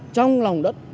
trong lòng đất